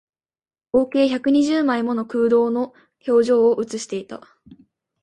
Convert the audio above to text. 合計百二十枚もの空洞の表情を写していた